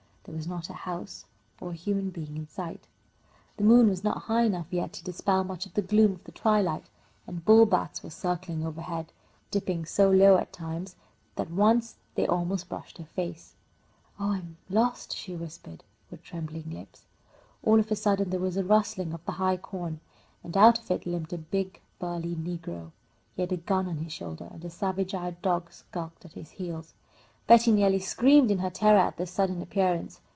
There was not a house or a human being in sight. The moon was not high enough yet to dispel much of the gloom of the twilight, and bullbats were circling overhead, dipping so low at times that once they almost brushed her face. "Oh, I'm lost!" she whispered, with trembling lips. All of a sudden there was a rustling of the high corn, and out of it limped a big burly negro. He had a gun on his shoulder, and a savage eyed dog skulked at his heels. Betty nearly screamed in her terror at this sudden appearance.